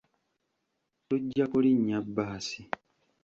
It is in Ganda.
Tujja kulinnya bbaasi.